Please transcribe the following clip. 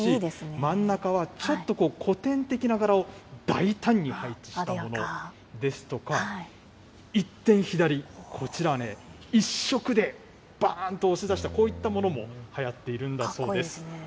真ん中はちょっと古典的な柄を大胆に配置したものですとか、一転左、こちらはね、１色でばーんと押し出した、こういったものも流行っているんだそうです。